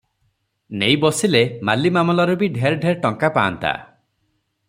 ନେଇ ବସିଲେ ମାଲିମାମଲାରୁ ବି ଢେର ଢେର ଟଙ୍କା ପାନ୍ତା ।